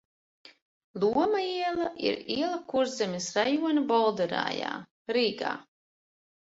Loma iela ir iela Kurzemes rajona Bolderājā, Rīgā.